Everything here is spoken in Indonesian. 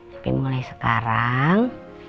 tapi mulai sekarang